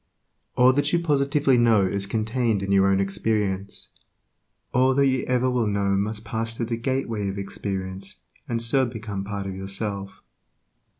All that you positively know is contained in your own experience; all that you ever will know must pass through the gateway of experience, and so become part of yourself.